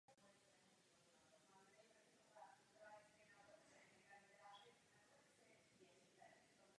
Společně se svou sestrou Caroline vystupovala v menší roli v otcově filmu "Den otců".